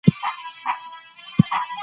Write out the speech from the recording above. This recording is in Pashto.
د خلکو هیلو ته باید ځواب وویل سي.